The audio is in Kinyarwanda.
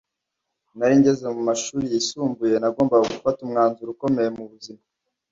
nari ngeze mu mashuri yisumbuye nagombaga gufata umwanzuro ukomeye mu buzima